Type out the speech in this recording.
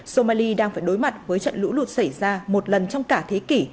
somali đang phải đối mặt với trận lũ lụt xảy ra một lần trong cả thế kỷ